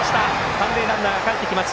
三塁ランナーがかえってきます。